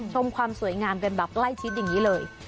ชมความสวยงามกันแบบใกล้ชิดอย่างนี้เลย